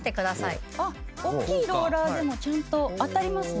おっきいローラーでもちゃんと当たりますね。